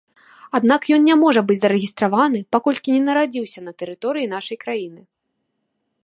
Аднак ён не можа быць зарэгістраваны, паколькі не нарадзіўся на тэрыторыі нашай краіны.